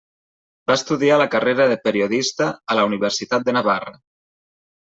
Va estudiar la carrera de periodista a la Universitat de Navarra.